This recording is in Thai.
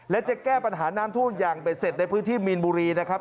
และจะแก้ปัญหาน้ำท่วมอย่างเบ็ดเสร็จในพื้นที่มีนบุรีนะครับ